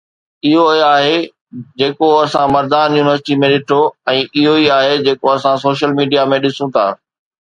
اهو ئي آهي جيڪو اسان مردان يونيورسٽي ۾ ڏٺو ۽ اهو ئي آهي جيڪو اسان سوشل ميڊيا ۾ ڏسون ٿا.